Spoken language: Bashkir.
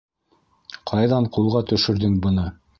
- Ҡайҙан ҡулға төшөрҙөң быны?